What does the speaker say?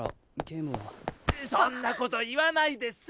そんな事言わないでさ！